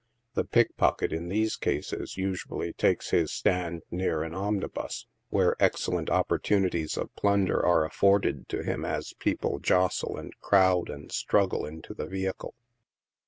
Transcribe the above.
The pickpocket, in these cases, usually takes his stand near an omnibus, where excellent opportunities of plunder are afforded to him as people jostle, and crowd, and struggle into the vehicle.